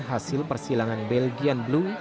hasil persilangan belgian blue